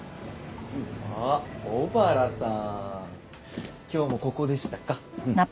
あっ小原さん！今日もここでしたか。